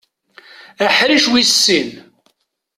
Aḥric wis sin.